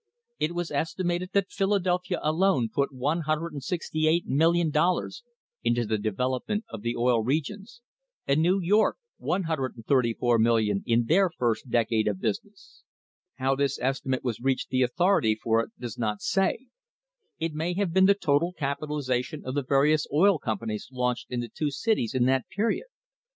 It was estimated that Philadelphia alone put over $168,000,000 into the development of the Oil Re gions, and New York $134,000,000, in their first decade of the business. How this estimate was reached the authority for it does not say.* It may have been the total capitalisation of the various oil companies launched in the two cities in that period.